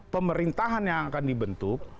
pemerintahan yang akan dibentuk